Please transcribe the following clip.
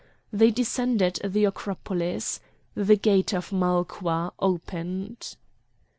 They descended the Acropolis. The gate of Malqua opened.